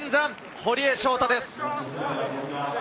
堀江翔太です。